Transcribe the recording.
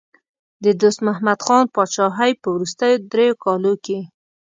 د دوست محمد خان پاچاهۍ په وروستیو دریو کالو کې.